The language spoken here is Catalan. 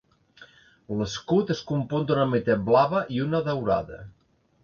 L'escut es compon d'una meitat blava, i una daurada.